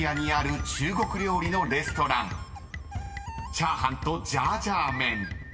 ［チャーハンとジャージャー麺］